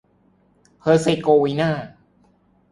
เฮอร์เซโกวีนา